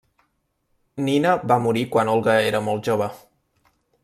Nina va morir quan Olga era molt jove.